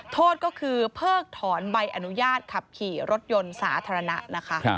โทษก็คือเพิกถอนใบอนุญาตขับขี่รถยนต์สาธารณะนะคะ